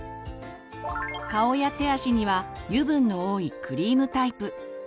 顔や手足には油分の多いクリームタイプ。